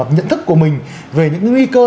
nhận thức của mình về những nguy cơ